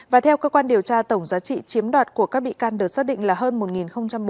và theo cơ quan điều tra tổng giá trị chiếm đoạt của các bị can được xác định là hơn một bốn tỷ đồng